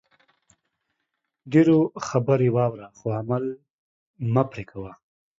ډېرو خبرې واوره خو عمل مه پرې کوئ